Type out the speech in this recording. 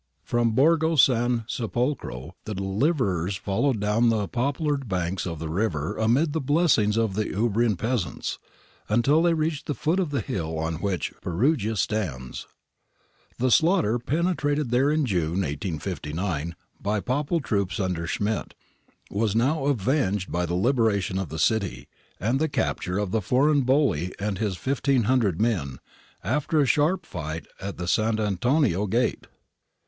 From Borgo San Sepolcro the deliverers followed down the poplared banks of the river, amid the blessings of the Umbrian peasants, until they reached the foot of the hill on which Perugia stands. The slaughter perpetrated there in June, 1859, by the Papal troops under Schmidt, was now avenged by the liberation of the city and the capture of the foreign bully and his 1500 men, after a sharp fight at the Sant' Antonio gate.